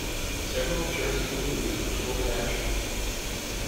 Several Jersey Blues were killed in action.